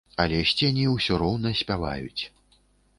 Але сцені ўсё роўна спяваюць.